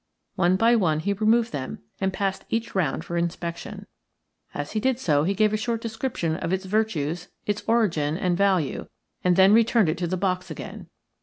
One by one he removed them and passed each round for inspection. As he did so he gave a short description of its virtues, its origin, and value, and then returned it to the box again.